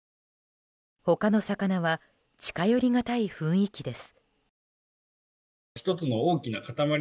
他の魚は近寄りがたい雰囲気です。